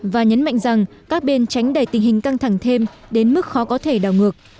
và nhấn mạnh rằng các bên tránh đẩy tình hình căng thẳng thêm đến mức khó có thể đảo ngược